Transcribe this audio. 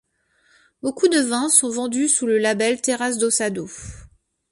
Beaucoup de vins sont vendus sous le label Terras do Sado.